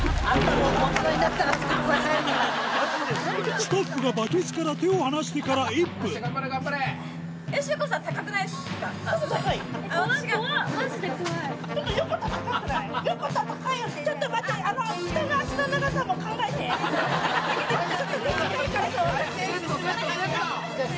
スタッフがバケツから手を離してから１分セットセットセット！